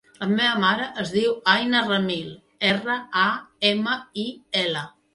La meva mare es diu Aïna Ramil: erra, a, ema, i, ela.